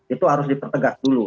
itu harus dipertegak dulu